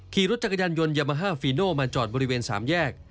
ขี่รถจักรยานยนต์ยามาฮาฟีโน่มาจอดบริเวณ๓แยก